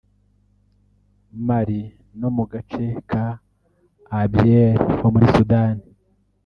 Mali no mu gace ka Abyei ho muri Sudan